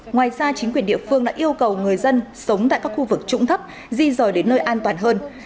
ngoài ra chính quyền địa phương đã yêu cầu người dân sống tại các khu vực trũng thấp di rời đến nơi an toàn hơn